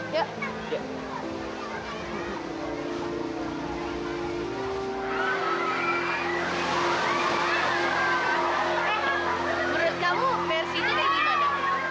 menurut kamu mercy itu kayak gimana